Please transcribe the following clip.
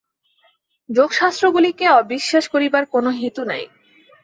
যোগশাস্ত্রগুলিকে অবিশ্বাস করিবার কোন হেতু নাই।